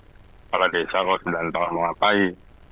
kepala desa kalau sembilan tahun mau ngapain